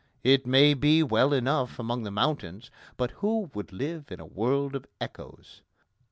It may be well enough among the mountains, but who would live in a world of echoes?